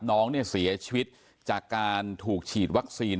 น้องเนี่ยเสียชีวิตจากการถูกฉีดวัคซีน